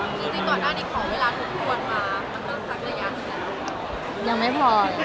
ยังไม่พอ